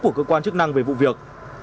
của cơ quan chức năng về vụ việc